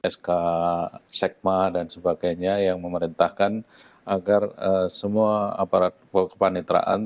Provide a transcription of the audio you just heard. sk sekma dan sebagainya yang memerintahkan agar semua aparat kepanitraan